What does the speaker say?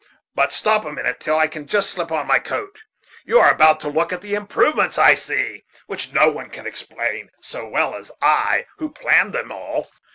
But stop a minute till I can just slip on my coat. You are about to look at the improvements, I see, which no one can explain so well as I, who planned them all.